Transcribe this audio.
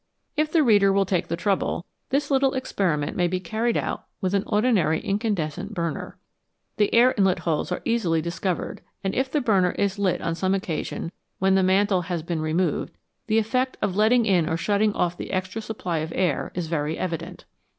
If the reader will take the trouble, this little experi ment may be carried out with an ordinary incandescent burner. The air inlet holes are easily discovered, and if the burner is lit on some occasion when the mantle has been removed, the effect of letting in or shutting off the extra supply of air is very evident.